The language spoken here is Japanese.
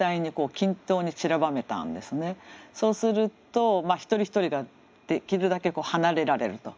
そうすると一人一人ができるだけ離れられると。